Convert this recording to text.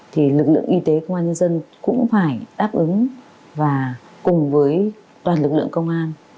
thì lực lượng y tế công an nhân dân cũng phải đáp ứng và cùng với toàn lực lượng công an